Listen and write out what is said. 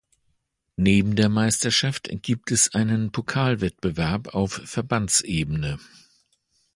Neben der Meisterschaft gibt es einen Pokalwettbewerb auf Verbandsebene.